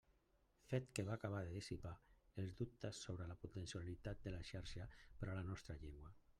Fet que va acabar de dissipar els dubtes sobre la potencialitat de la xarxa per a la nostra llengua.